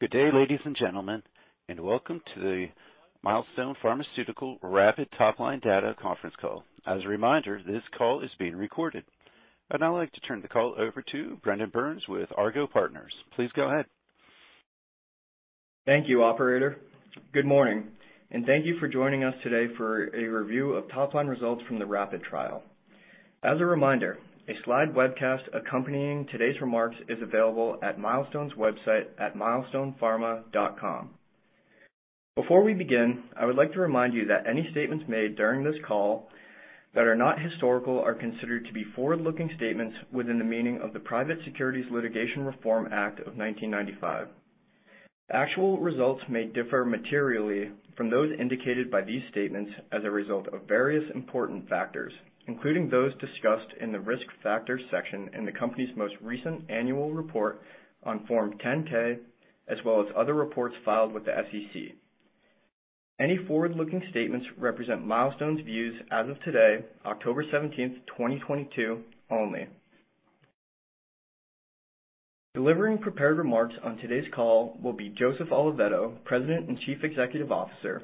Good day, ladies and gentlemen, and welcome to the Milestone Pharmaceuticals RAPID Top Line Data Conference Call. As a reminder, this call is being recorded. I'd now like to turn the call over to Brendan Burns with Argot Partners. Please go ahead. Thank you, Operator. Good morning, and thank you for joining us today for a review of top-line results from the RAPID trial. As a reminder, a slide webcast accompanying today's remarks is available at Milestone's website at milestonepharma.com. Before we begin, I would like to remind you that any statements made during this call that are not historical are considered to be forward-looking statements within the meaning of the Private Securities Litigation Reform Act of 1995. Actual results may differ materially from those indicated by these statements as a result of various important factors, including those discussed in the Risk Factors section in the company's most recent annual report on Form 10-K, as well as other reports filed with the SEC. Any forward-looking statements represent Milestone's views as of today, October 17th, 2022, only. Delivering prepared remarks on today's call will be Joseph Oliveto, President and Chief Executive Officer,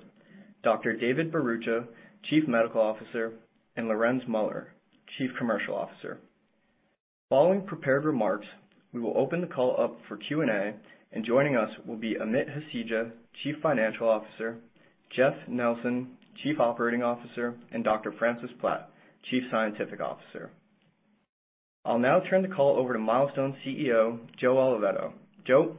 Dr. David Bharucha, Chief Medical Officer, and Lorenz Muller, Chief Commercial Officer. Following prepared remarks, we will open the call up for Q&A, and joining us will be Amit Hasija, Chief Financial Officer, Jeff Nelson, Chief Operating Officer, and Dr. Francis Platt, Chief Scientific Officer. I'll now turn the call over to Milestone's CEO, Joe Oliveto. Joe?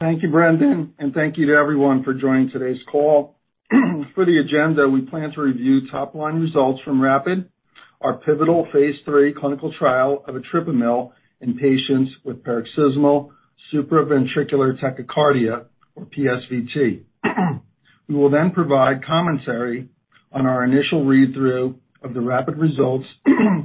Thank you, Brendan, and thank you to everyone for joining today's call. For the agenda, we plan to review top-line results from RAPID, our pivotal phase III clinical trial of etripamil in patients with paroxysmal supraventricular tachycardia, or PSVT. We will then provide commentary on our initial read-through of the RAPID results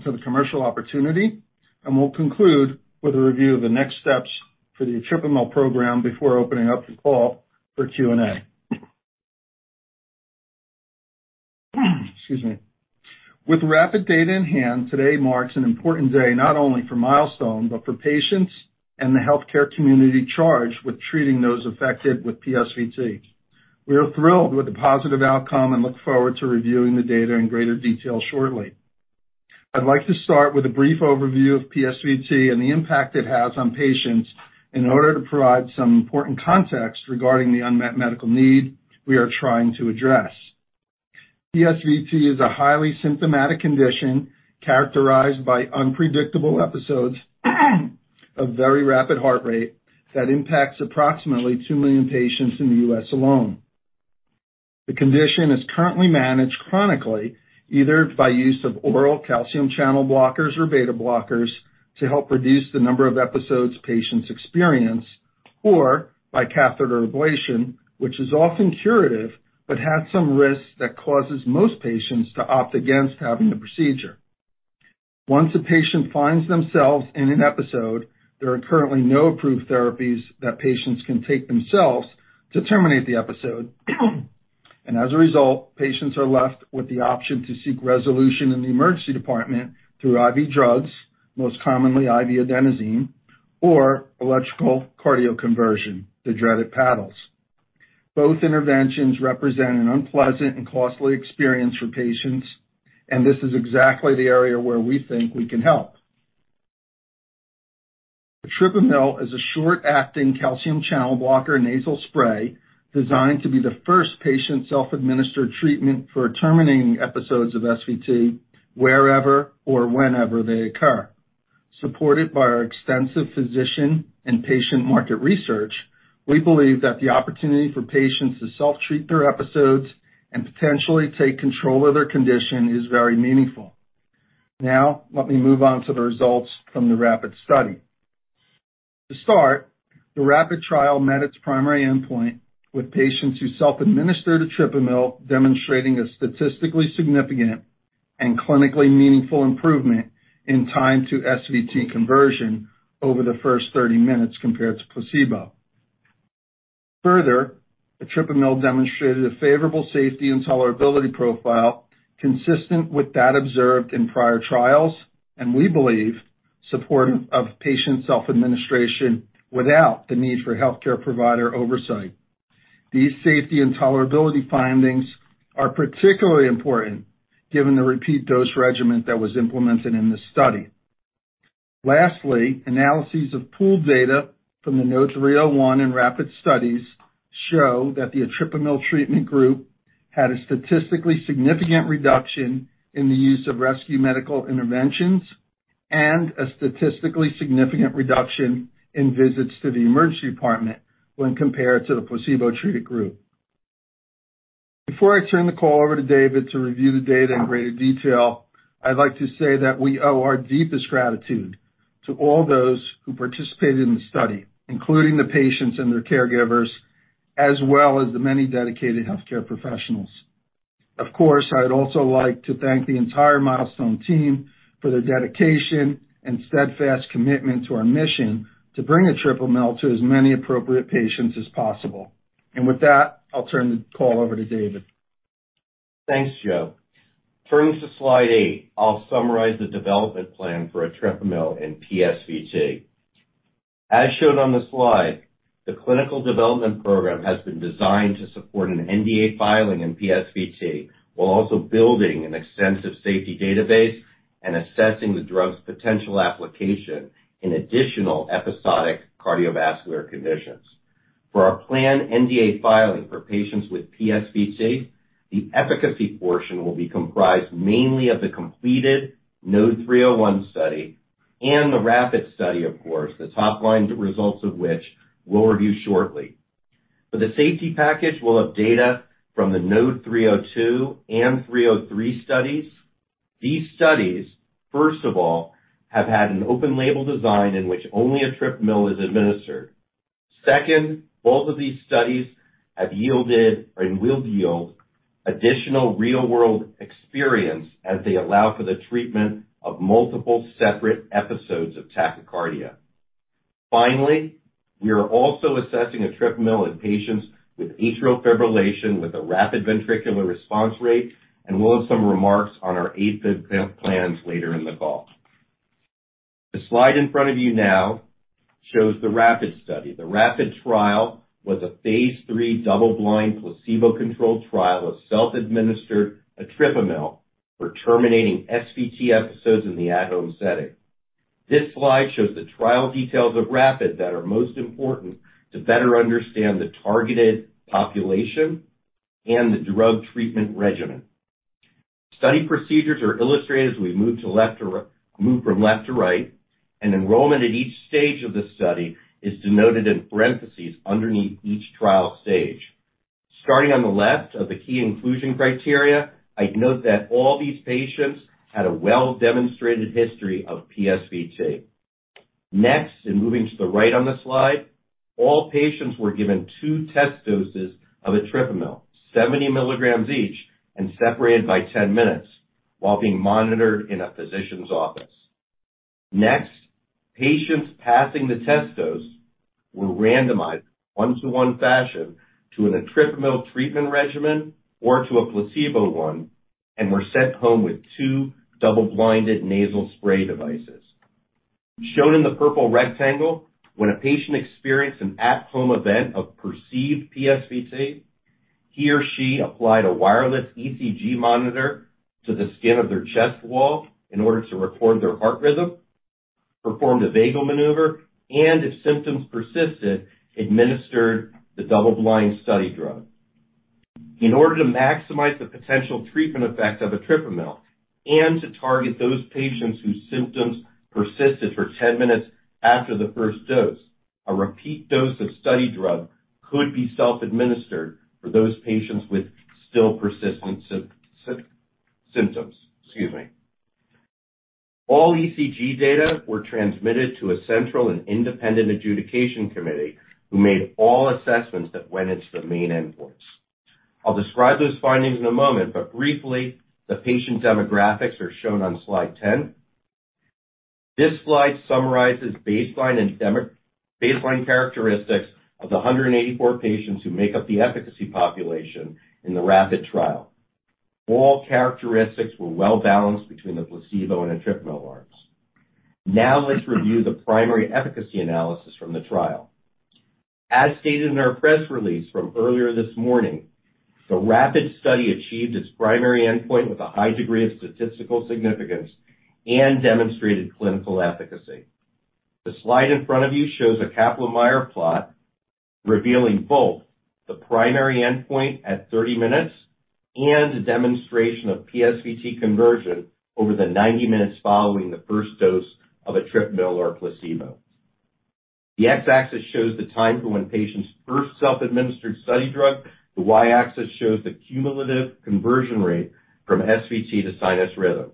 for the commercial opportunity, and we'll conclude with a review of the next steps for the etripamil program before opening up the call for Q&A. Excuse me. With RAPID data in hand, today marks an important day, not only for Milestone, but for patients and the healthcare community charged with treating those affected with PSVT. We are thrilled with the positive outcome and look forward to reviewing the data in greater detail shortly. I'd like to start with a brief overview of PSVT and the impact it has on patients in order to provide some important context regarding the unmet medical need we are trying to address. PSVT is a highly symptomatic condition characterized by unpredictable episodes of very rapid heart rate that impacts approximately 2 million patients in the U.S. alone. The condition is currently managed chronically, either by use of oral calcium channel blockers or beta blockers to help reduce the number of episodes patients experience, or by catheter ablation, which is often curative but has some risks that causes most patients to opt against having the procedure. Once a patient finds themselves in an episode, there are currently no approved therapies that patients can take themselves to terminate the episode. As a result, patients are left with the option to seek resolution in the emergency department through IV drugs, most commonly IV adenosine, or electrical cardioversion, the dreaded paddles. Both interventions represent an unpleasant and costly experience for patients, and this is exactly the area where we think we can help. Etripamil is a short-acting calcium channel blocker nasal spray designed to be the first patient self-administered treatment for terminating episodes of SVT wherever or whenever they occur. Supported by our extensive physician and patient market research, we believe that the opportunity for patients to self-treat their episodes and potentially take control of their condition is very meaningful. Now, let me move on to the results from the RAPID study. To start, the RAPID trial met its primary endpoint with patients who self-administered etripamil demonstrating a statistically significant and clinically meaningful improvement in time to SVT conversion over the first 30 minutes compared to placebo. Further, etripamil demonstrated a favorable safety and tolerability profile consistent with that observed in prior trials, and we believe supportive of patient self-administration without the need for healthcare provider oversight. These safety and tolerability findings are particularly important given the repeat dose regimen that was implemented in this study. Lastly, analyses of pooled data from the NODE-301 and RAPID studies show that the etripamil treatment group had a statistically significant reduction in the use of rescue medical interventions and a statistically significant reduction in visits to the emergency department when compared to the placebo treated group. Before I turn the call over to David to review the data in greater detail, I'd like to say that we owe our deepest gratitude to all those who participated in the study, including the patients and their caregivers, as well as the many dedicated healthcare professionals. Of course, I'd also like to thank the entire Milestone team for their dedication and steadfast commitment to our mission to bring etripamil to as many appropriate patients as possible. With that, I'll turn the call over to David. Thanks, Joe. Turning to slide eight, I'll summarize the development plan for etripamil in PSVT. As shown on the slide, the clinical development program has been designed to support an NDA filing in PSVT, while also building an extensive safety database and assessing the drug's potential application in additional episodic cardiovascular conditions. For our planned NDA filing for patients with PSVT, the efficacy portion will be comprised mainly of the completed NODE-301 study and the RAPID study, of course, the top-line results of which we'll review shortly. For the safety package, we'll have data from the NODE-302 and NODE-303 studies. These studies, first of all, have had an open-label design in which only etripamil is administered. Second, both of these studies have yielded and will yield additional real-world experience as they allow for the treatment of multiple separate episodes of tachycardia. Finally, we are also assessing etripamil in patients with atrial fibrillation with a rapid ventricular response rate, and we'll have some remarks on our [AFib plans] later in the call. The slide in front of you now shows the RAPID study. The RAPID trial was a phase III double-blind placebo-controlled trial of self-administered etripamil for terminating SVT episodes in the at-home setting. This slide shows the trial details of RAPID that are most important to better understand the targeted population and the drug treatment regimen. Study procedures are illustrated as we move from left to right, and enrollment at each stage of the study is denoted in parentheses underneath each trial stage. Starting on the left of the key inclusion criteria, I'd note that all these patients had a well-demonstrated history of PSVT. Next, in moving to the right on the slide, all patients were given two test doses of etripamil, 70 mg each and separated by 10 minutes while being monitored in a physician's office. Next, patients passing the test dose were randomized 1:1 fashion to an etripamil treatment regimen or to a placebo one and were sent home with two double-blinded nasal spray devices. Shown in the purple rectangle, when a patient experienced an at-home event of perceived PSVT, he or she applied a wireless ECG monitor to the skin of their chest wall in order to record their heart rhythm, performed a vagal maneuver, and if symptoms persisted, administered the double-blind study drug. In order to maximize the potential treatment effect of etripamil and to target those patients whose symptoms persisted for 10 minutes after the first dose, a repeat dose of study drug could be self-administered for those patients with still persistent symptoms. Excuse me. All ECG data were transmitted to a central and independent adjudication committee who made all assessments that went into the main endpoints. I'll describe those findings in a moment, but briefly, the patient demographics are shown on slide 10. This slide summarizes baseline characteristics of the 184 patients who make up the efficacy population in the rapid trial. All characteristics were well-balanced between the placebo and etripamil arms. Now let's review the primary efficacy analysis from the trial. As stated in our press release from earlier this morning, the rapid study achieved its primary endpoint with a high degree of statistical significance and demonstrated clinical efficacy. The slide in front of you shows a Kaplan-Meier plot revealing both the primary endpoint at 30 minutes and a demonstration of PSVT conversion over the 90 minutes following the first dose of etripamil or placebo. The x-axis shows the time for when patients first self-administered study drug. The y-axis shows the cumulative conversion rate from SVT to sinus rhythm.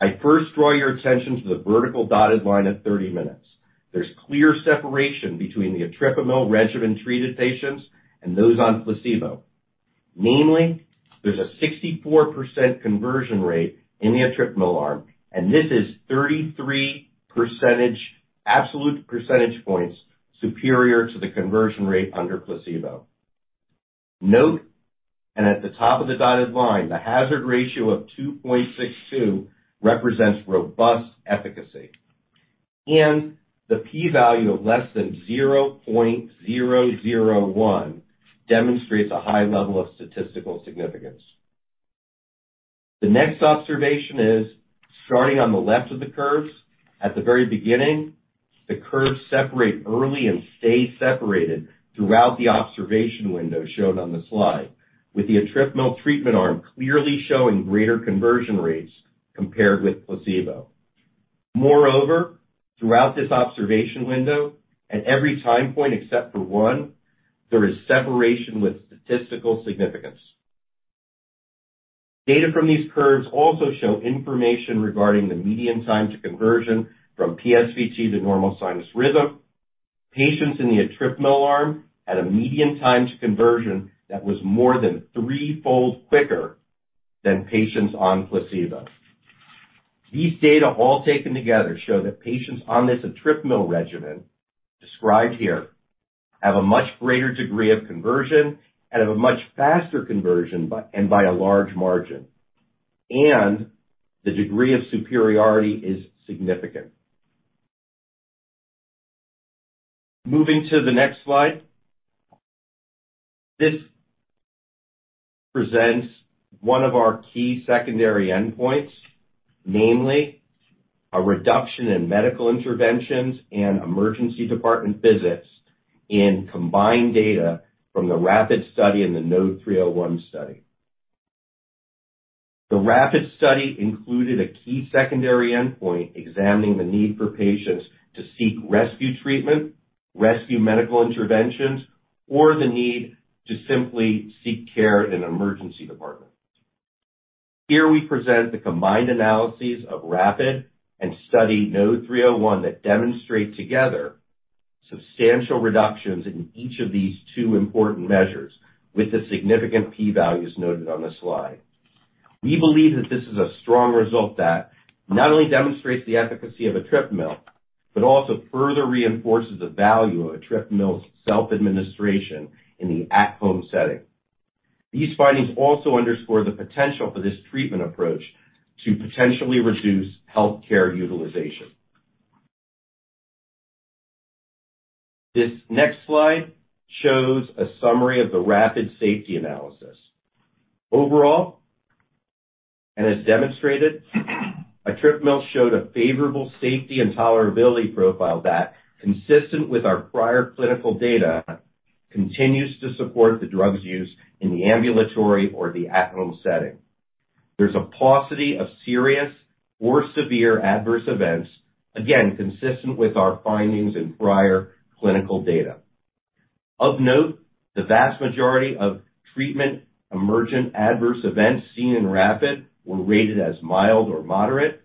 I first draw your attention to the vertical dotted line at 30 minutes. There's clear separation between the etripamil regimen-treated patients and those on placebo. Namely, there's a 64% conversion rate in the etripamil arm, and this is 33 absolute percentage points superior to the conversion rate under placebo. Note that at the top of the dotted line, the hazard ratio of 2.62 represents robust efficacy, and the P value of less than 0.001 demonstrates a high level of statistical significance. The next observation is starting on the left of the curves. At the very beginning, the curves separate early and stay separated throughout the observation window shown on the slide, with the etripamil treatment arm clearly showing greater conversion rates compared with placebo. Moreover, throughout this observation window, at every time point except for one, there is separation with statistical significance. Data from these curves also show information regarding the median time to conversion from PSVT to normal sinus rhythm. Patients in the etripamil arm had a median time to conversion that was more than threefold quicker than patients on placebo. These data all taken together show that patients on this etripamil regimen described here have a much greater degree of conversion and have a much faster conversion and by a large margin, and the degree of superiority is significant. Moving to the next slide. This presents one of our key secondary endpoints, mainly a reduction in medical interventions and emergency department visits in combined data from the RAPID study and the NODE-301 study. The RAPID study included a key secondary endpoint examining the need for patients to seek rescue treatment, rescue medical interventions, or the need to simply seek care in emergency departments. Here we present the combined analyses of RAPID and [study] NODE-301 that demonstrate together substantial reductions in each of these two important measures with the significant P values noted on this slide. We believe that this is a strong result that not only demonstrates the efficacy of etripamil, but also further reinforces the value of etripamil's self-administration in the at-home setting. These findings also underscore the potential for this treatment approach to potentially reduce healthcare utilization. This next slide shows a summary of the RAPID safety analysis. Overall, as demonstrated, etripamil showed a favorable safety and tolerability profile that is consistent with our prior clinical data, continues to support the drug's use in the ambulatory or the at-home setting. There's a paucity of serious or severe adverse events, again, consistent with our findings in prior clinical data. Of note, the vast majority of treatment emergent adverse events seen in RAPID were rated as mild or moderate.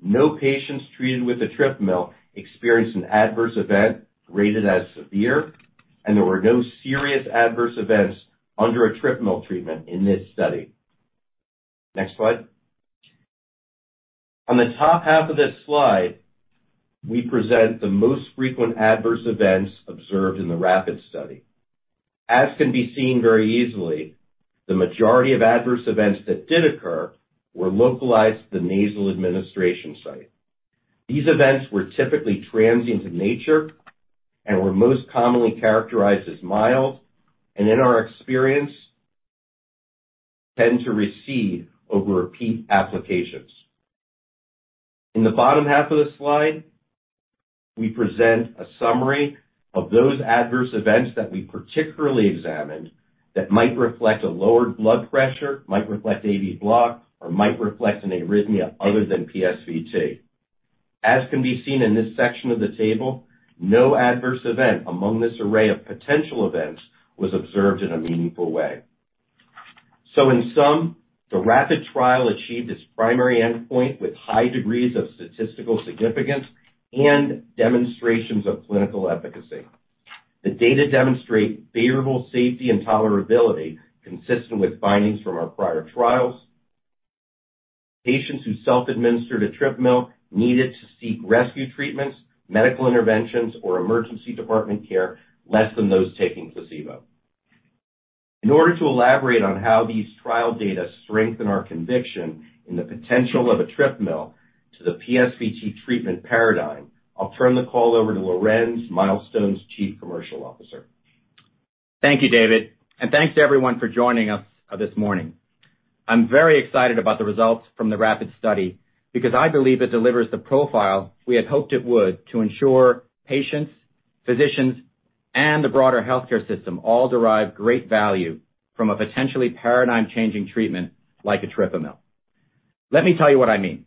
No patients treated with etripamil experienced an adverse event rated as severe, and there were no serious adverse events under etripamil treatment in this study. Next slide. On the top half of this slide, we present the most frequent adverse events observed in the RAPID study. As can be seen very easily, the majority of adverse events that did occur were localized to the nasal administration site. These events were typically transient in nature and were most commonly characterized as mild, and in our experience, tend to recede over repeat applications. In the bottom half of the slide, we present a summary of those adverse events that we particularly examined that might reflect a lowered blood pressure, might reflect AV block, or might reflect an arrhythmia other than PSVT. As can be seen in this section of the table, no adverse event among this array of potential events was observed in a meaningful way. In sum, the RAPID trial achieved its primary endpoint with high degrees of statistical significance and demonstrations of clinical efficacy. The data demonstrate favorable safety and tolerability consistent with findings from our prior trials. Patients who self-administered etripamil needed to seek rescue treatments, medical interventions, or emergency department care less than those taking placebo. In order to elaborate on how these trial data strengthen our conviction in the potential of etripamil to the PSVT treatment paradigm, I'll turn the call over to Lorenz, [Milestone's] Chief Commercial Officer. Thank you, David, and thanks to everyone for joining us this morning. I'm very excited about the results from the RAPID study because I believe it delivers the profile we had hoped it would to ensure patients, physicians, and the broader healthcare system all derive great value from a potentially paradigm-changing treatment like etripamil. Let me tell you what I mean.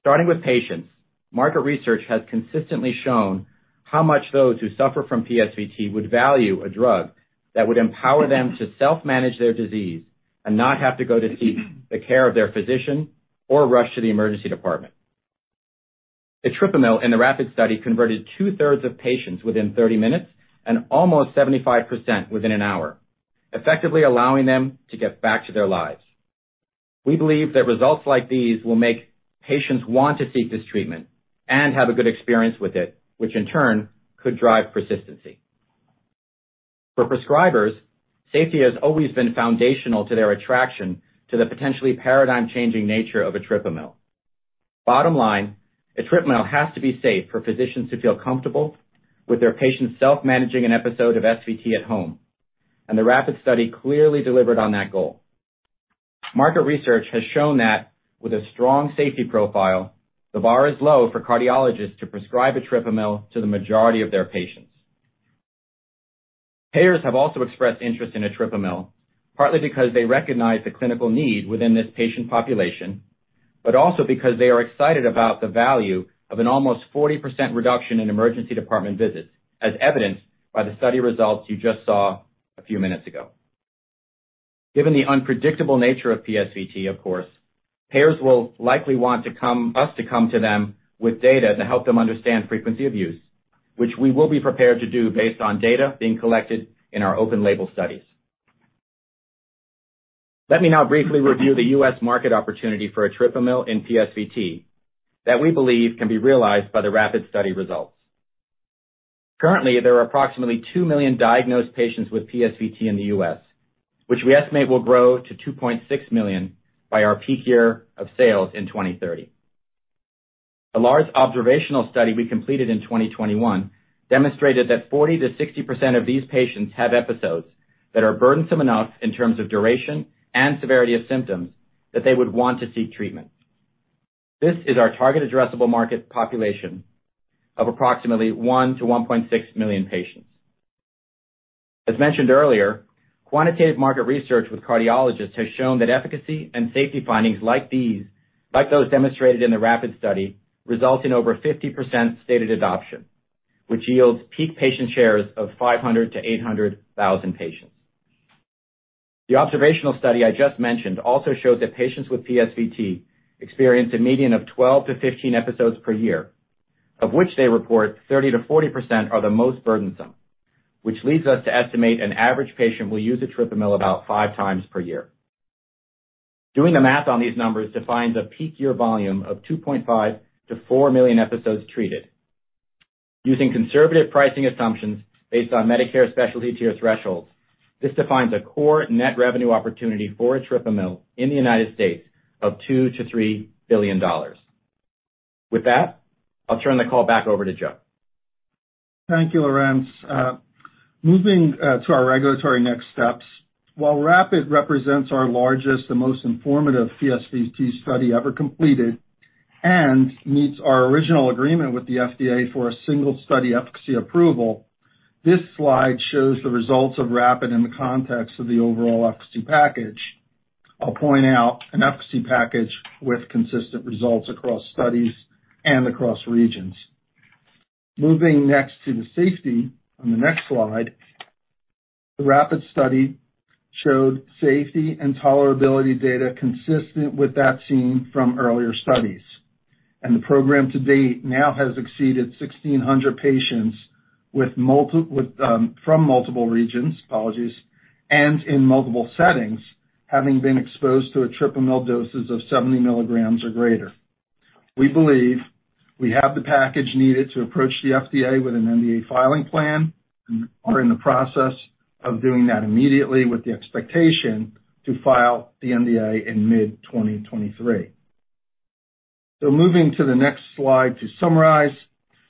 Starting with patients, market research has consistently shown how much those who suffer from PSVT would value a drug that would empower them to self-manage their disease and not have to go to seek the care of their physician or rush to the emergency department. Etripamil in the RAPID study converted 2/3 of patients within 30 minutes and almost 75% within an hour, effectively allowing them to get back to their lives. We believe that results like these will make patients want to seek this treatment and have a good experience with it, which in turn could drive persistency. For prescribers, safety has always been foundational to their attraction to the potentially paradigm-changing nature of etripamil. Bottom line, etripamil has to be safe for physicians to feel comfortable with their patients self-managing an episode of SVT at home, and the RAPID study clearly delivered on that goal. Market research has shown that with a strong safety profile, the bar is low for cardiologists to prescribe etripamil to the majority of their patients. Payers have also expressed interest in etripamil, partly because they recognize the clinical need within this patient population, but also because they are excited about the value of an almost 40% reduction in emergency department visits, as evidenced by the study results you just saw a few minutes ago. Given the unpredictable nature of PSVT, of course, payers will likely want us to come to them with data to help them understand frequency of use, which we will be prepared to do based on data being collected in our open-label studies. Let me now briefly review the U.S. market opportunity for etripamil in PSVT that we believe can be realized by the RAPID study results. Currently, there are approximately 2 million diagnosed patients with PSVT in the U.S., which we estimate will grow to 2.6 million by our peak year of sales in 2030. A large observational study we completed in 2021 demonstrated that 40%-60% of these patients have episodes that are burdensome enough in terms of duration and severity of symptoms that they would want to seek treatment. This is our target addressable market population of approximately 1 million-1.6 million patients. As mentioned earlier, quantitative market research with cardiologists has shown that efficacy and safety findings like those demonstrated in the RAPID study result in over 50% stated adoption, which yields peak patient shares of 500,000-800,000 patients. The observational study I just mentioned also showed that patients with PSVT experience a median of 12-15 episodes per year, of which they report 30%-40% are the most burdensome, which leads us to estimate an average patient will use etripamil about five times per year. Doing the math on these numbers defines a peak year volume of 2.5 million-4 million episodes treated. Using conservative pricing assumptions based on Medicare specialty tier thresholds, this defines a core net revenue opportunity for etripamil in the United States of $2 billion-$3 billion. With that, I'll turn the call back over to Joe. Thank you, Lorenz. Moving to our regulatory next steps. While RAPID represents our largest and most informative PSVT study ever completed and meets our original agreement with the FDA for a single study efficacy approval, this slide shows the results of RAPID in the context of the overall efficacy package. I'll point out an efficacy package with consistent results across studies and across regions. Moving next to the safety on the next slide. The RAPID study showed safety and tolerability data consistent with that seen from earlier studies. The program to date now has exceeded 1,600 patients from multiple regions, apologies, and in multiple settings, having been exposed to etripamil doses of 70 mg or greater. We believe we have the package needed to approach the FDA with an NDA filing plan and are in the process of doing that immediately with the expectation to file the NDA in mid 2023. Moving to the next slide to summarize.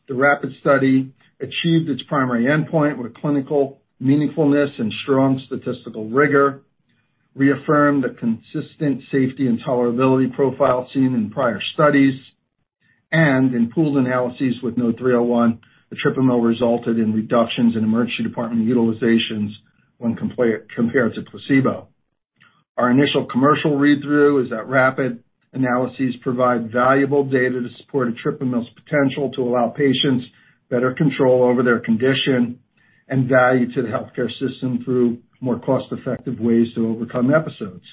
The RAPID study achieved its primary endpoint with clinically meaningfulness and strong statistical rigor, reaffirmed a consistent safety and tolerability profile seen in prior studies, and in pooled analyses with NODE-301, etripamil resulted in reductions in emergency department utilizations when compared to placebo. Our initial commercial read-through is that RAPID analyses provide valuable data to support etripamil's potential to allow patients better control over their condition and value to the healthcare system through more cost-effective ways to overcome episodes.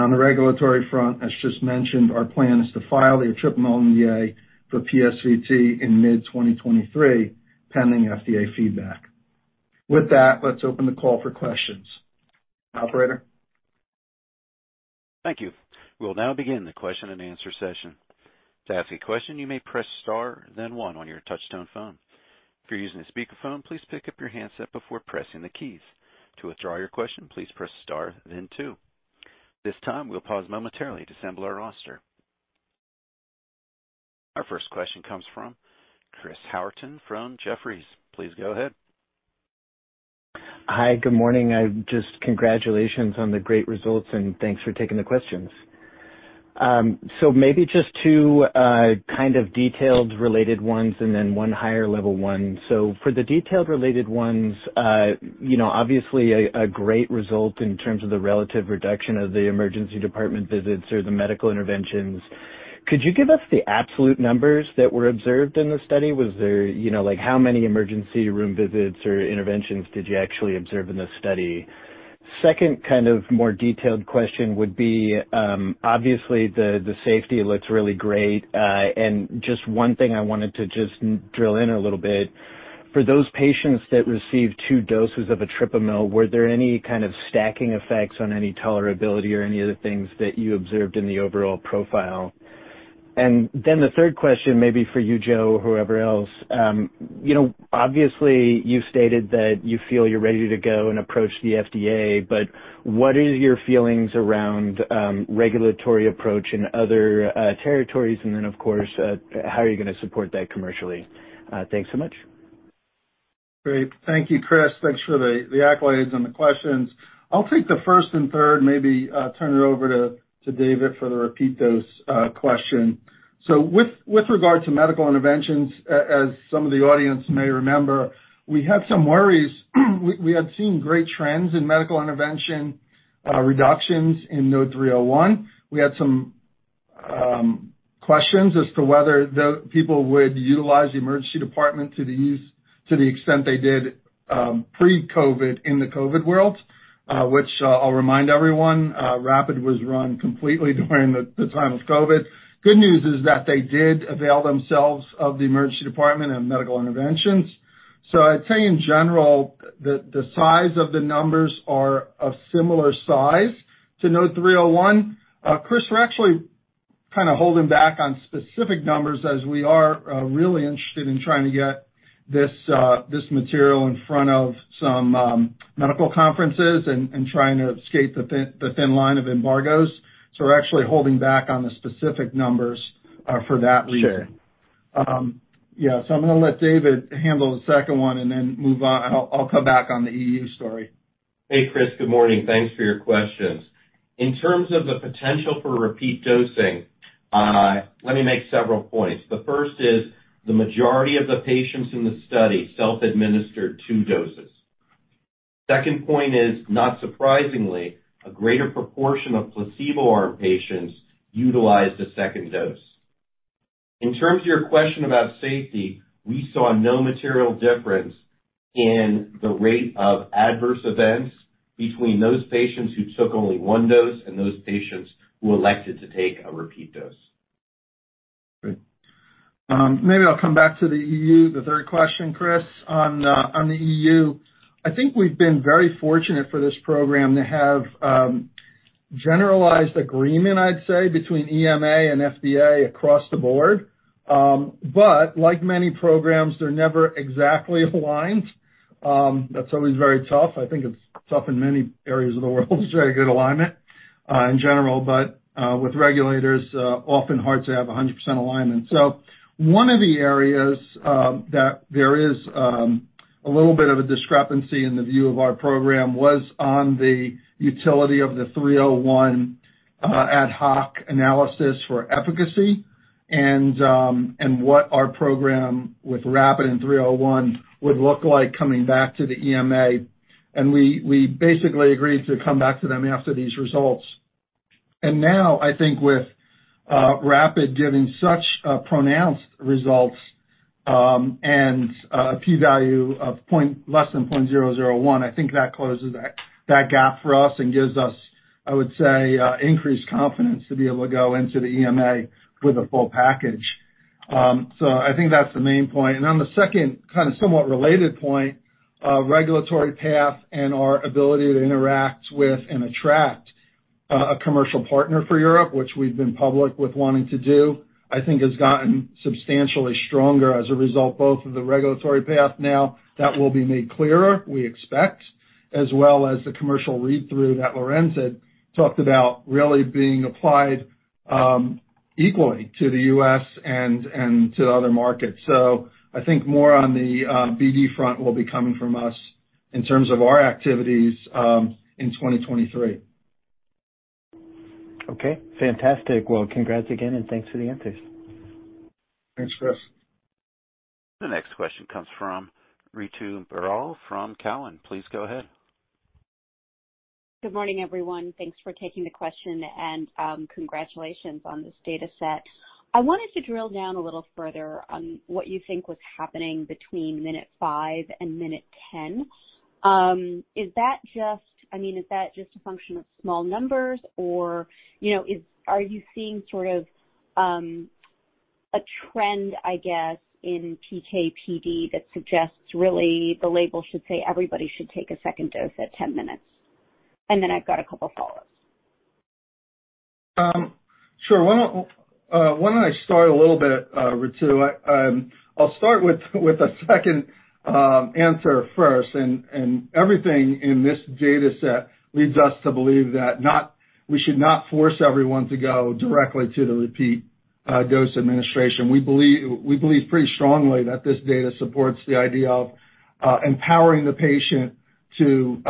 On the regulatory front, as just mentioned, our plan is to file the etripamil NDA for PSVT in mid 2023, pending FDA feedback. With that, let's open the call for questions. Operator? Thank you. We'll now begin the question and answer session. To ask a question, you may press star then one on your touch-tone phone. If you're using a speakerphone, please pick up your handset before pressing the keys. To withdraw your question, please press star then two. This time, we'll pause momentarily to assemble our roster. Our first question comes from Chris Howerton from Jefferies. Please go ahead. Hi. Good morning. Just congratulations on the great results, and thanks for taking the questions. Maybe just two kind of detailed related ones and then one higher level one. For the detailed related ones, obviously a great result in terms of the relative reduction of the emergency department visits or the medical interventions. Could you give us the absolute numbers that were observed in the study? How many emergency room visits or interventions did you actually observe in this study? Second kind of more detailed question would be, obviously the safety looks really great. And just one thing I wanted to just drill in a little bit. For those patients that received two doses of etripamil, were there any kind of stacking effects on any tolerability or any of the things that you observed in the overall profile? Then the third question may be for you, Joe, or whoever else. Obviously, you've stated that you feel you're ready to go and approach the FDA, but what is your feelings around regulatory approach in other territories? Then, of course, how are you going to support that commercially? Thanks so much. Great. Thank you, Chris. Thanks for the accolades and the questions. I'll take the first and third, maybe turn it over to David for the repeat dose question. With regard to medical interventions, as some of the audience may remember, we had some worries. We had seen great trends in medical intervention reductions in NODE-301. We had some questions as to whether the people would utilize the emergency department to the extent they did pre-COVID in the COVID world, which I'll remind everyone, RAPID was run completely during the time of COVID. Good news is that they did avail themselves of the emergency department and medical interventions. I'd say in general, the size of the numbers are of similar size to NODE-301. Chris, we're actually kind of holding back on specific numbers as we are really interested in trying to get this material in front of some medical conferences and trying to escape the thin line of embargoes. We're actually holding back on the specific numbers for that reason. Sure. Yeah. I'm going to let David handle the second one and then move on, and I'll come back on the EU story. Hey, Chris, good morning. Thanks for your questions. In terms of the potential for repeat dosing, let me make several points. The first is, the majority of the patients in the study self-administered two doses. Second point is, not surprisingly, a greater proportion of placebo arm patients utilized a second dose. In terms of your question about safety, we saw no material difference in the rate of adverse events between those patients who took only one dose and those patients who elected to take a repeat dose. Great. Maybe I'll come back to the EU. The third question, Chris, on the EU. I think we've been very fortunate for this program to have generalized agreement, I'd say, between EMA and FDA across the board. Like many programs, they're never exactly aligned. That's always very tough. I think it's tough in many areas of the world. It's very good alignment in general, but with regulators, often hard to have 100% alignment. One of the areas that there is a little bit of a discrepancy in the view of our program was on the utility of the NODE-301 ad hoc analysis for efficacy and what our program with RAPID and NODE-301 would look like coming back to the EMA. We basically agreed to come back to them after these results. Now, I think with RAPID giving such pronounced results and a P value of less than .001, I think that closes that gap for us and gives us, I would say, increased confidence to be able to go into the EMA with a full package. I think that's the main point. On the second, kind of somewhat related point, regulatory path and our ability to interact with and attract a commercial partner for Europe, which we've been public with wanting to do, I think has gotten substantially stronger as a result both of the regulatory path now that will be made clearer, we expect, as well as the commercial read-through that Lorenz had talked about really being applied equally to the U.S. and to other markets. I think more on the BD front will be coming from us in terms of our activities in 2023. Okay, fantastic. Well, congrats again, and thanks for the answers. Thanks, Chris. The next question comes from Ritu Baral from Cowen. Please go ahead. Good morning, everyone. Thanks for taking the question, and congratulations on this data set. I wanted to drill down a little further on what you think was happening between minute five and minute 10. Is that just a function of small numbers, or are you seeing sort of a trend, I guess, in PK/PD that suggests really the label should say everybody should take a second dose at 10 minutes? I've got a couple follows. Sure. Why don't I start a little bit, Ritu. I'll start with the second answer first. Everything in this data set leads us to believe that we should not force everyone to go directly to the repeat dose administration. We believe pretty strongly that this data supports the idea of empowering the patient to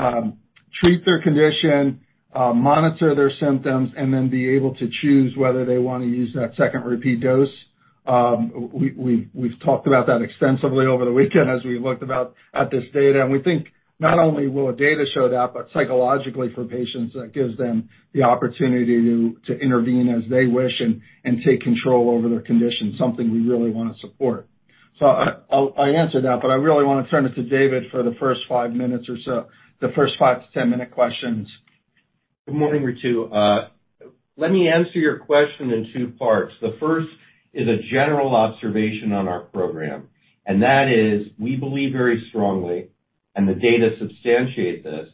treat their condition, monitor their symptoms, and then be able to choose whether they want to use that second repeat dose. We've talked about that extensively over the weekend as we looked about at this data, and we think not only will the data show that, but psychologically for patients, that gives them the opportunity to intervene as they wish and take control over their condition, something we really want to support. I answered that, but I really want to turn it to David for the first five minutes or so, the first [5-10 minute] questions. Good morning, Ritu. Let me answer your question in two parts. The first is a general observation on our program, and that is, we believe very strongly, and the data substantiate this,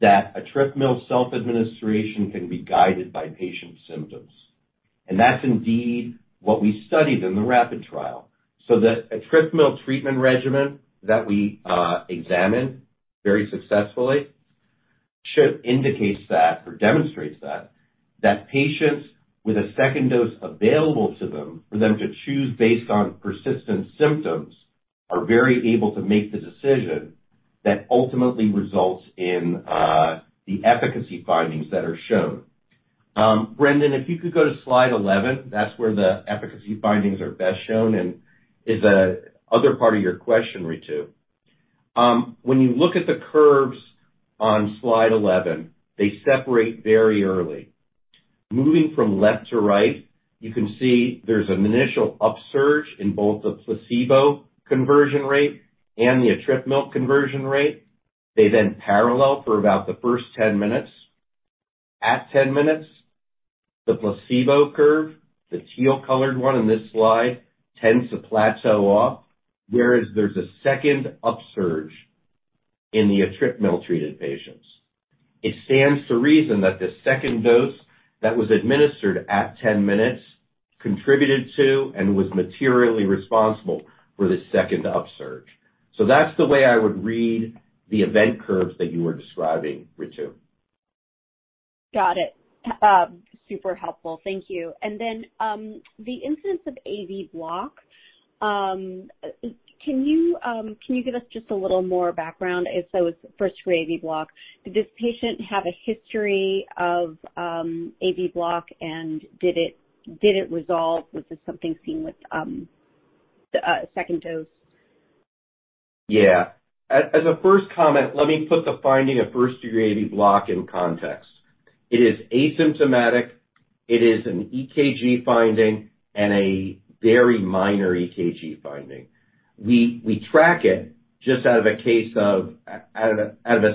that etripamil self-administration can be guided by patient symptoms. That's indeed what we studied in the RAPID trial. Etripamil treatment regimen that we examined very successfully should indicate that or demonstrate that patients with a second dose available to them for them to choose based on persistent symptoms are very able to make the decision that ultimately results in the efficacy findings that are shown. Brendan, if you could go to slide 11. That's where the efficacy findings are best shown and is the other part of your question, Ritu. When you look at the curves on slide 11, they separate very early. Moving from left to right, you can see there's an initial upsurge in both the placebo conversion rate and the etripamil conversion rate. They then parallel for about the first 10 minutes. At 10 minutes, the placebo curve, the teal-colored one in this slide, tends to plateau off, whereas there's a second upsurge in the etripamil-treated patients. It stands to reason that the second dose that was administered at 10 minutes contributed to and was materially responsible for this second upsurge. That's the way I would read the event curves that you were describing, Ritu. Got it. Super helpful. Thank you. The incidence of AV block. Can you give us just a little more background, as though it's first-degree AV block? Did this patient have a history of AV block, and did it resolve? Was this something seen with the second dose? Yeah. As a first comment, let me put the finding of first-degree AV block in context. It is asymptomatic. It is an EKG finding and a very minor EKG finding. We track it just out of a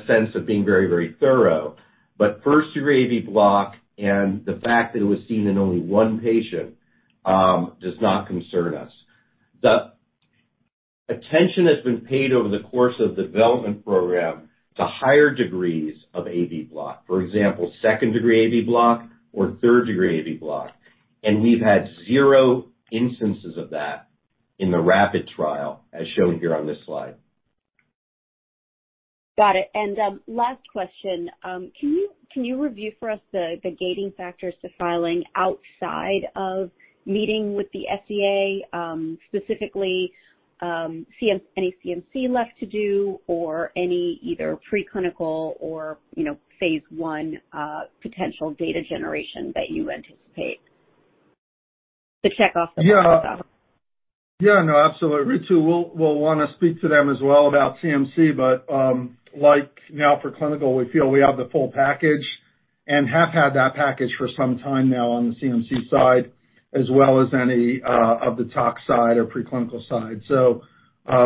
sense of being very, very thorough, but first-degree AV block and the fact that it was seen in only one patient does not concern us. The attention that's been paid over the course of the development program to higher degrees of AV block, for example, second-degree AV block or third-degree AV block, and we've had zero instances of that in the RAPID trial as shown here on this slide. Got it. Last question. Can you review for us the gating factors to filing outside of meeting with the FDA, specifically any CMC left to do or any either preclinical or phase I potential data generation that you anticipate, to check off the boxes? Yeah, no, absolutely. Ritu, we'll want to speak to them as well about CMC, but like now for clinical, we feel we have the full package and have had that package for some time now on the CMC side, as well as any of the tox side or preclinical side.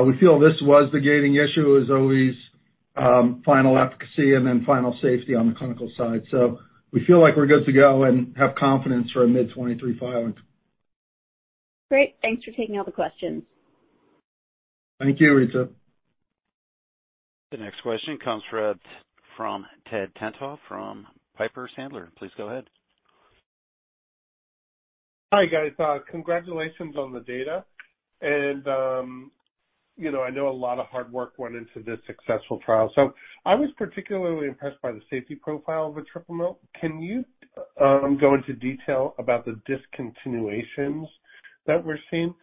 We feel this was the gating issue, as always final efficacy and then final safety on the clinical side. We feel like we're good to go and have confidence for a mid-2023 filing. Great. Thanks for taking all the questions. Thank you, Ritu. The next question comes from Ted Tenthoff from Piper Sandler. Please go ahead. Hi, guys. Congratulations on the data. I know a lot of hard work went into this successful trial. I was particularly impressed by the safety profile of etripamil. Can you go into detail about the discontinuations that we're seeing?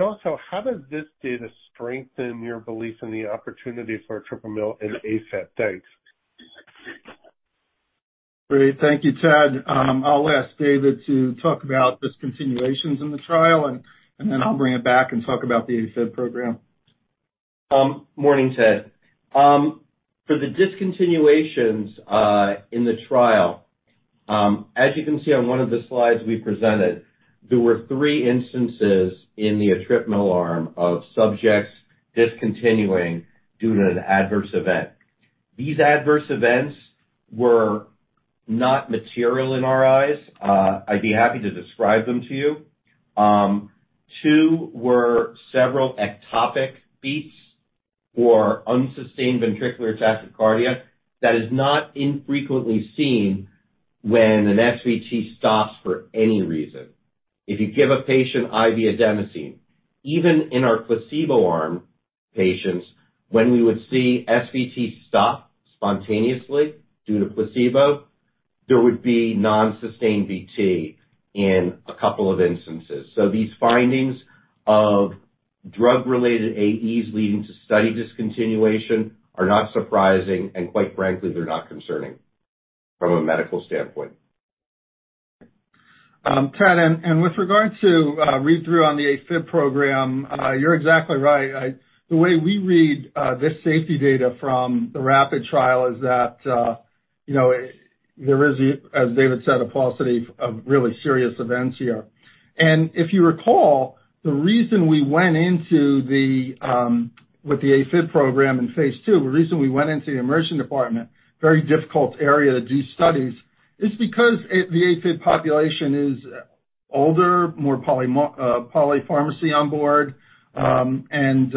Also, how does this data strengthen your belief in the opportunity for etripamil in AFib? Thanks. Great. Thank you, Ted. I'll ask David to talk about discontinuations in the trial, and then I'll bring it back and talk about the AFib program. Morning, Ted. For the discontinuations in the trial, as you can see on one of the slides we presented, there were three instances in the etripamil arm of subjects discontinuing due to an adverse event. These adverse events were not material in our eyes. I'd be happy to describe them to you. Two were several ectopic beats or unsustained ventricular tachycardia that is not infrequently seen when an SVT stops for any reason. If you give a patient IV adenosine, even in our placebo arm patients, when we would see SVT stop spontaneously due to placebo, there would be non-sustained VT in a couple of instances. These findings of drug-related AEs leading to study discontinuation are not surprising and quite frankly, they're not concerning from a medical standpoint. Ted, with regard to read-through on the AFib program, you're exactly right. The way we read this safety data from the RAPID trial is that there is, as David said, a paucity of really serious events here. If you recall, the reason we went into the AFib program in phase II, the reason we went into the emergency department, very difficult area to do studies, is because the AFib population is older, more polypharmacy on board, and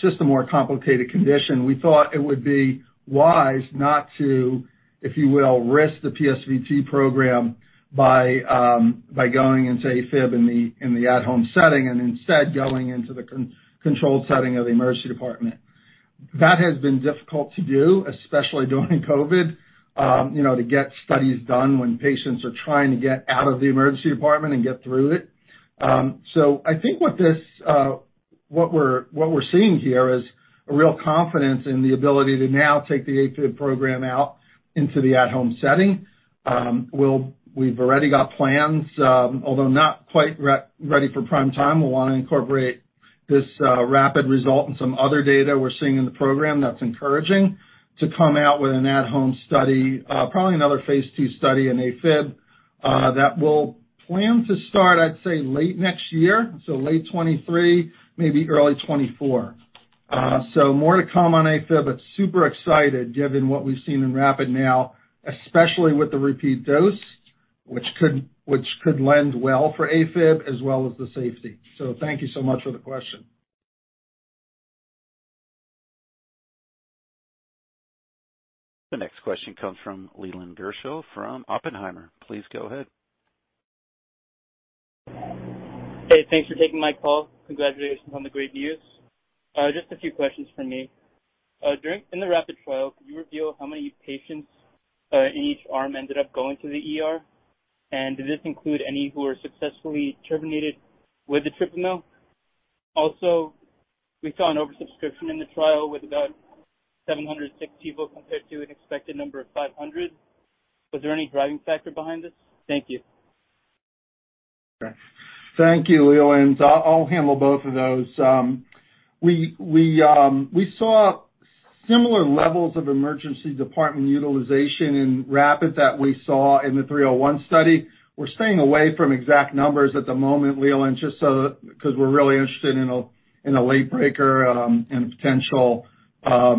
just a more complicated condition. We thought it would be wise not to, if you will, risk the PSVT program by going into AFib in the at-home setting and instead going into the controlled setting of the emergency department. That has been difficult to do, especially during COVID, to get studies done when patients are trying to get out of the emergency department and get through it. I think what we're seeing here is a real confidence in the ability to now take the AFib program out into the at-home setting. We've already got plans. Although not quite ready for prime time, we'll want to incorporate this RAPID result and some other data we're seeing in the program that's encouraging to come out with an at-home study, probably another phase II study in AFib, that we'll plan to start, I'd say late next year. Late 2023, maybe early 2024. More to come on AFib, but super excited given what we've seen in RAPID now, especially with the repeat dose, which could lend well for AFib as well as the safety. Thank you so much for the question. The next question comes from Leland Gershell from Oppenheimer. Please go ahead. Hey, thanks for taking my call. Congratulations on the great news. Just a few questions from me. During the RAPID trial, could you reveal how many patients in each arm ended up going to the ER? And did this include any who were successfully terminated with etripamil? Also, we saw an oversubscription in the trial with about 760 people compared to an expected number of 500. Was there any driving factor behind this? Thank you. Thank you, Leland. I'll handle both of those. We saw similar levels of emergency department utilization in RAPID that we saw in the NODE-301 study. We're staying away from exact numbers at the moment, Leland, just because we're really interested in a latebreaker and a potential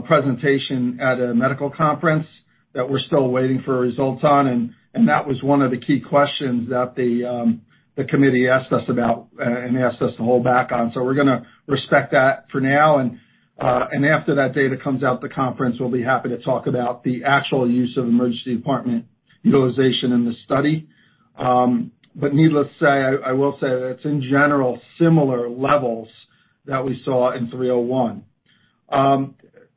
presentation at a medical conference that we're still waiting for results on. That was one of the key questions that the committee asked us about and asked us to hold back on. We're going to respect that for now, and after that data comes out at the conference, we'll be happy to talk about the actual use of emergency department utilization in the study. Needless to say, I will say that it's in general similar levels that we saw in NODE-301.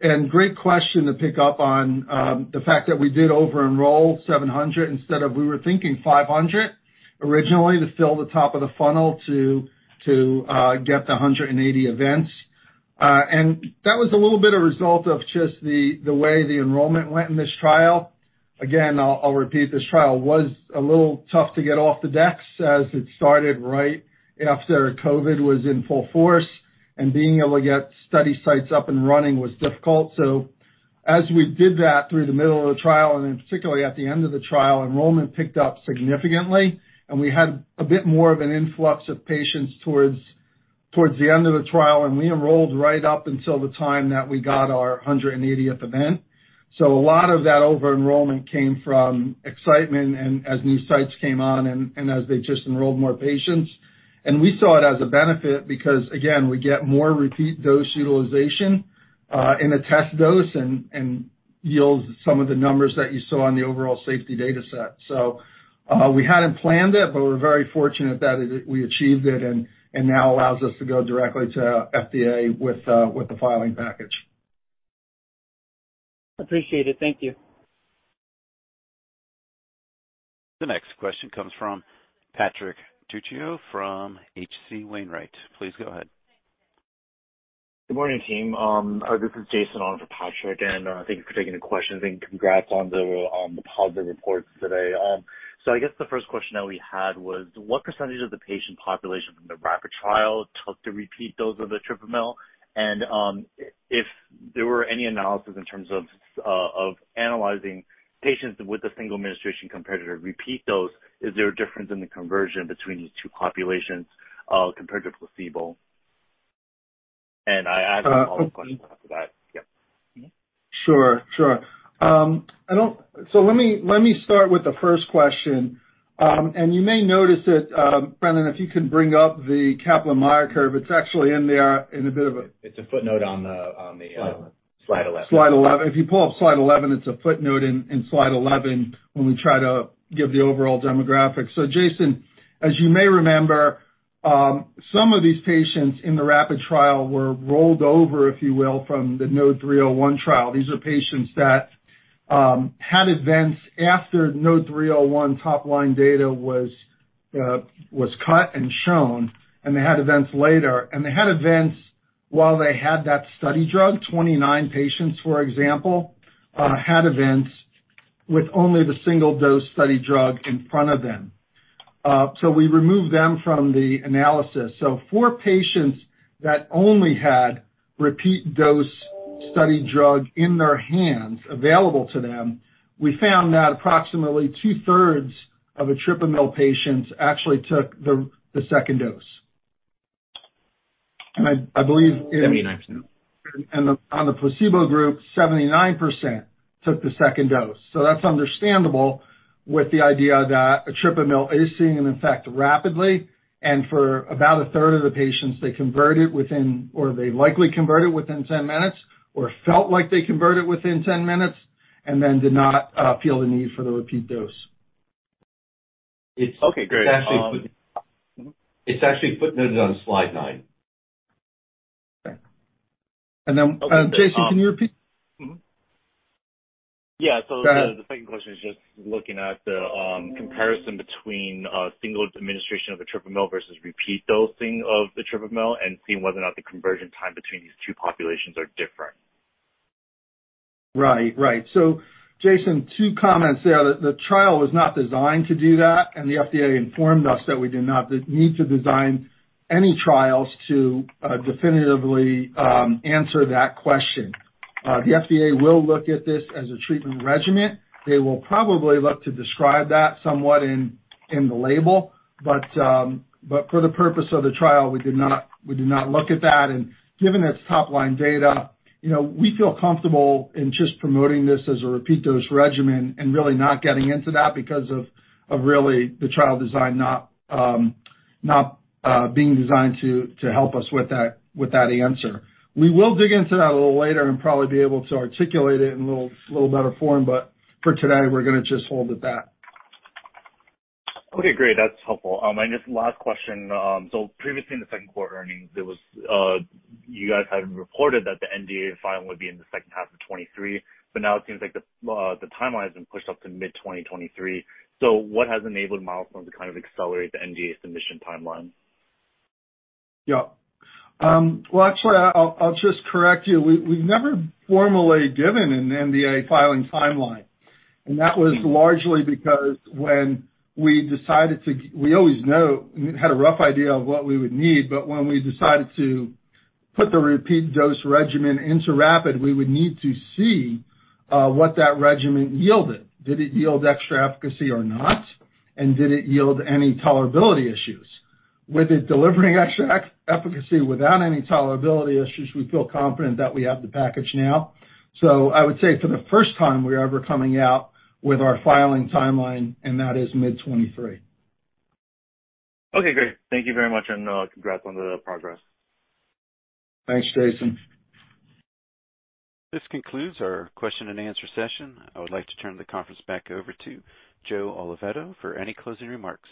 Great question to pick up on the fact that we did over-enroll 700 instead of we were thinking 500 originally to fill the top of the funnel to get to 180 events. That was a little bit a result of just the way the enrollment went in this trial. Again, I'll repeat, this trial was a little tough to get off the [depths] as it started right after COVID was in full force, and being able to get study sites up and running was difficult. As we did that through the middle of the trial, and then particularly at the end of the trial, enrollment picked up significantly and we had a bit more of an influx of patients towards the end of the trial, and we enrolled right up until the time that we got our 180th event. A lot of that over enrollment came from excitement and as new sites came on and as they just enrolled more patients. We saw it as a benefit because, again, we get more repeat dose utilization in a test dose and yields some of the numbers that you saw in the overall safety data set. We hadn't planned it, but we're very fortunate that we achieved it and now allows us to go directly to FDA with the filing package. Appreciate it. Thank you. The next question comes from Patrick Trucchio from H.C. Wainwright. Please go ahead. Good morning, team. This is Jason on for Patrick, and thank you for taking the questions and congrats on the positive reports today. I guess the first question that we had was what percentage of the patient population from the RAPID trial took the repeat dose of etripamil? And if there were any analysis in terms of analyzing patients with a single administration compared to repeat dose, is there a difference in the conversion between these two populations compared to placebo? And I have a follow-up question after that. Yep. Sure. Let me start with the first question. You may notice that, Brendan, if you can bring up the Kaplan-Meier curve, it's actually in there in a bit of a- It's a footnote on slide 11. Slide 11. If you pull up slide 11, it's a footnote in slide 11 when we try to give the overall demographics. Jason, as you may remember, some of these patients in the RAPID trial were rolled over, if you will, from the NODE-301 trial. These are patients that had events after NODE-301 top-line data was cut and shown, and they had events later, and they had events while they had that study drug. 29 patients, for example, had events with only the single dose study drug in front of them. We removed them from the analysis. For patients that only had repeat dose study drug in their hands available to them, we found that approximately 2/3 of etripamil patients actually took the second dose. I believe- 79%. On the placebo group, 79% took the second dose. That's understandable with the idea that etripamil is seeing an effect rapidly. For about 1/3 of the patients, they converted within, or they likely converted within 10 minutes or felt like they converted within 10 minutes and then did not feel the need for the repeat dose. Okay, great. It's actually footnoted on slide nine. Jason, can you repeat? Yeah. Go ahead. The second question is just looking at the comparison between single administration of etripamil versus repeat dosing of etripamil and seeing whether or not the conversion time between these two populations are different. Right. Jason, two comments there. The trial was not designed to do that, and the FDA informed us that we did not need to design any trials to definitively answer that question. The FDA will look at this as a treatment regimen. They will probably look to describe that somewhat in the label, but for the purpose of the trial, we did not look at that. Given its top-line data, we feel comfortable in just promoting this as a repeat dose regimen and really not getting into that because of really the trial design not being designed to help us with that answer. We will dig into that a little later and probably be able to articulate it in a little better form, but for today, we're going to just hold with that. Okay, great. That's helpful. Just last question. Previously in the second quarter earnings, you guys had reported that the NDA filing would be in the second half of 2023, but now it seems like the timeline has been pushed up to mid-2023. What has enabled Milestone to kind of accelerate the NDA submission timeline? Yeah. Well, actually, I'll just correct you. We've never formally given an NDA filing timeline, and that was largely because when we decided, we always knew we had a rough idea of what we would need, but when we decided to put the repeat dose regimen into RAPID, we would need to see what that regimen yielded. Did it yield extra efficacy or not? And did it yield any tolerability issues? With it delivering extra efficacy without any tolerability issues, we feel confident that we have the package now. I would say for the first time, we are ever coming out with our filing timeline, and that is mid-2023. Okay, great. Thank you very much. Congrats on the progress. Thanks, Jason. This concludes our question and answer session. I would like to turn the conference back over to Joe Oliveto for any closing remarks.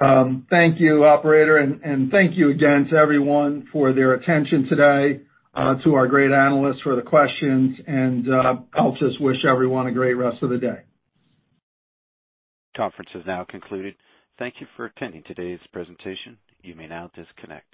Thank you, Operator. Thank you again to everyone for their attention today, to our great analysts for the questions, and I'll just wish everyone a great rest of the day. Conference is now concluded. Thank you for attending today's presentation. You may now disconnect.